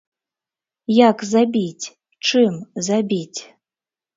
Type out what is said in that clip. Як забіць, чым забіць?